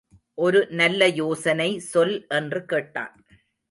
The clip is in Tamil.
ஒருநல்ல யோசனை சொல் என்று கேட்டான்.